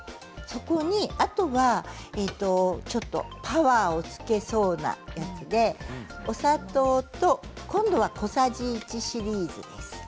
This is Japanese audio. そこにあとはちょっとパワーをつけそうなお砂糖と今度は小さじ１シリーズです。